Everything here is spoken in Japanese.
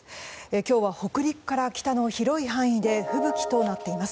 今日は北陸から北の広い範囲で吹雪となっています。